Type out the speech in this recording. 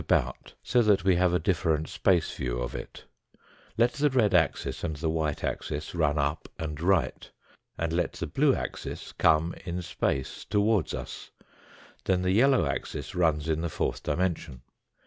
about so that we have a different space view of it ; let the red axis and the white axis run up and right, and let the blue axis come in space towards us, then the yellow axis runs in the fourth dimension.